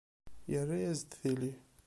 Yarra-as-d tili.